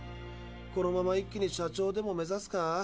このまま一気に社長でも目ざすか？